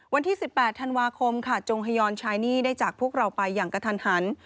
วันที่๑๘ธันวาคมค่ะจงฮยอนใช้หนี้ได้จากพวกเราไปอย่างกระทันหัน